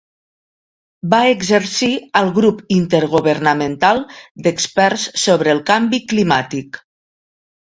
Va exercir al Grup Intergovernamental d'Experts sobre el Canvi Climàtic.